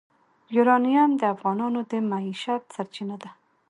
یورانیم د افغانانو د معیشت سرچینه ده.